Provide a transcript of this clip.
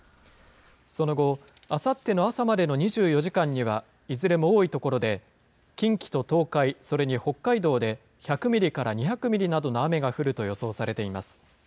その後、あさっての朝までの２４時間には、いずれも多い所で近畿と東海、それに北海道で１００ミリから２００ミリなどの雨が降ると予想されています。